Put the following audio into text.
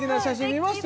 見ました